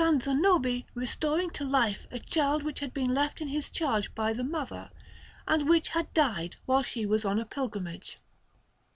Zanobi restoring to life a child which had been left in his charge by the mother, and which had died while she was on a pilgrimage.